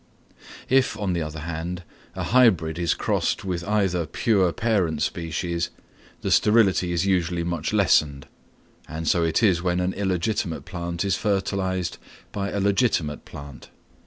If, on the other hand, a hybrid is crossed with either pure parent species, the sterility is usually much lessened: and so it is when an illegitimate plant is fertilised by a legitimate plant.